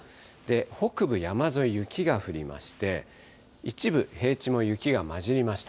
北部山沿い、雪が降りまして、一部、平地も雪が交じりました。